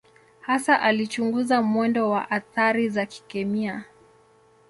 Hasa alichunguza mwendo wa athari za kikemia.